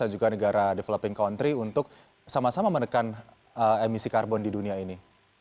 dan juga negara developing country untuk sama sama menekan emisi karbon di dunia ini